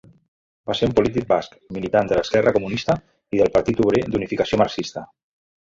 Va ser un polític basc, militant de l'Esquerra Comunista i del Partit Obrer d'Unificació Marxista.